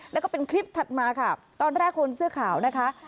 แล้วก็เป็นคลิปถัดมาค่ะตอนแรกคนเสื้อขาวนะคะ